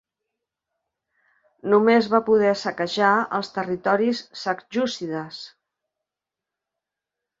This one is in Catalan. Només va poder saquejar els territoris seljúcides.